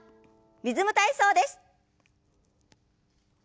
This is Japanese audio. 「リズム体操」です。